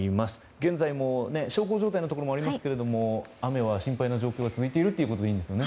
現在も小康状態のところもありますけれど雨は心配な状況が続いているということでいいんですよね。